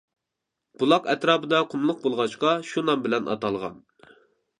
بۇلاق ئەتراپىدا قۇملۇق بولغاچقا شۇ نام بىلەن ئاتالغان.